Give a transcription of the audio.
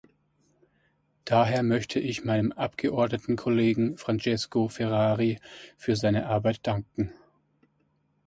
Daher möchte ich meinem Abgeordnetenkollegen Francesco Ferrari für seine Arbeit danken.